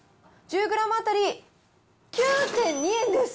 １０グラム当たり９．２円です。